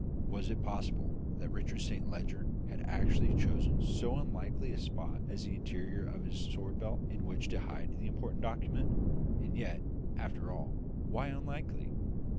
Was it possible that Richard Saint Leger had actually chosen so unlikely a spot as the interior of his sword belt in which to hide the important document? And yet, after all, why unlikely?